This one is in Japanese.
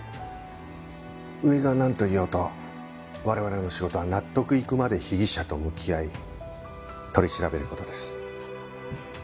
上がなんと言おうと我々の仕事は納得いくまで被疑者と向き合い取り調べる事です。